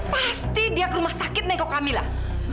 pasti dia ke rumah sakit nengok kami lah